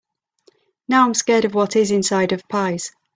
Now, I’m scared of what is inside of pies.